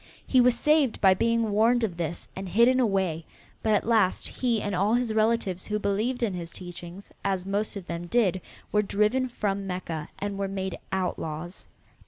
He was saved by being warned of this and hidden away, but at last he and all his relatives who believed in his teachings, as most of them did, were driven from Mecca and were made outlaws.